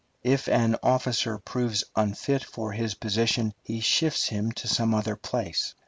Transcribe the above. If an officer proves unfit for his position, he shifts him to some other place.